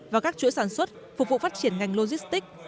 và các chuỗi sản xuất phục vụ phát triển ngành logistics